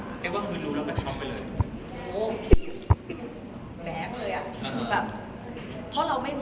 แต่ว่าคือรู้เราก็ชอบไปเลย